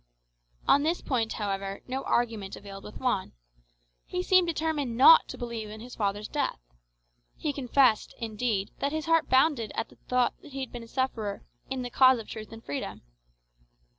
On this point, however, no argument availed with Juan. He seemed determined not to believe in his father's death. He confessed, indeed, that his heart bounded at the thought that he had been a sufferer "in the cause of truth and freedom."